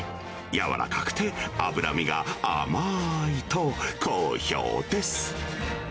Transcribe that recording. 軟らかくて、脂身が甘ーいと好評です。